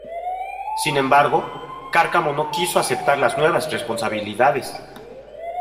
Sin embargo, Cárcamo no quiso aceptar las nuevas responsabilidades.